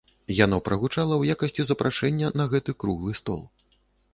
Яно прагучала ў якасці запрашэння на гэты круглы стол.